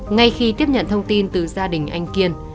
ngay khi tiếp nhận thông tin từ gia đình anh kiên